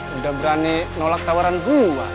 udah berani nolak tawaran gue